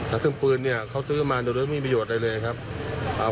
แล้วซึ่งปืนเนี้ยเขาซื้อมาโดยไม่มีประโยชน์อะไรเลยครับอ่า